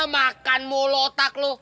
makan mulu otak lo